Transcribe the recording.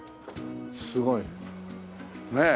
すごいねえ。